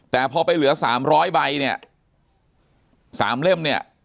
แต่พอไปเหลือ๓๐๐ใบเนี่ย๓เล่มเนี่ย